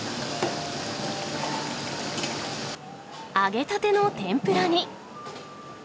揚げたての天ぷらに。